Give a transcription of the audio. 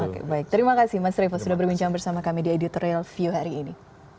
oke baik terima kasih mas revo sudah berbincang bersama kami di editorial view hari ini